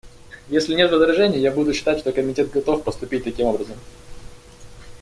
Если нет возражений, я буду считать, что Комитет готов поступить таким образом.